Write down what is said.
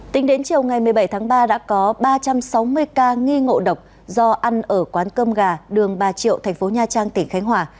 tính đến chiều ngày một mươi bảy tháng ba đã có ba trăm sáu mươi ca nghi ngộ độc do ăn ở quán cơm gà đường ba triệu thành phố nha trang tỉnh khánh hòa